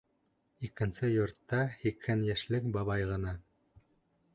Икенсе йортта һикһән йәшлек бабай ғына.